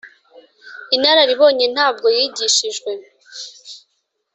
inararibonye ntabwo yigishijwe